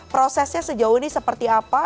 prosesnya sejauh ini seperti apa